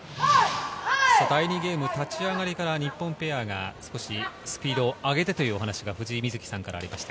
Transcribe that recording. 第２ゲーム、立ち上がりから日本ペアが少しスピードは上げてという話がありました。